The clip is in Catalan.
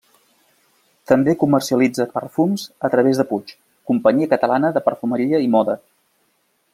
També comercialitza perfums a través de Puig, companyia catalana de perfumeria i moda.